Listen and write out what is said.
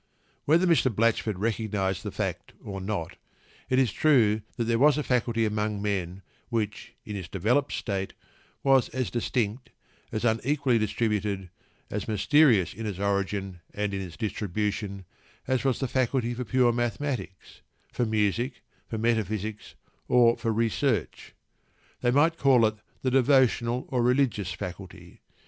Whether Mr. Blatchford recognised the fact or not, it was true that there was a faculty among men which, in its developed state, was as distinct, as unequally distributed, as mysterious in its origin and in its distribution, as was the faculty for pure mathematics, for music, for metaphysics, or for research. They might call it the devotional or religious faculty.